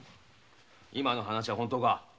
今の話本当か？